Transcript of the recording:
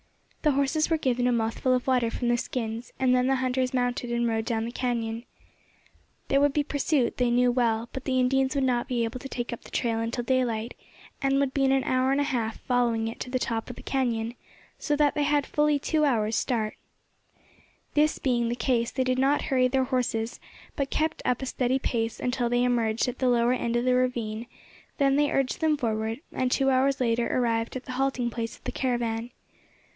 The horses were given a mouthful of water from the skins, and then the hunters mounted and rode down the cañon. There would be pursuit, they knew well; but the Indians would not be able to take up the trail until daylight, and would be an hour and a half following it to the top of the cañon, so that they had fully two hours' start. This being the case, they did not hurry their horses, but kept up a steady pace until they emerged at the lower end of the ravine; then they urged them forward, and two hours later arrived at the halting place of the caravan.